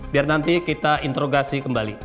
biar nanti kita interogasi kembali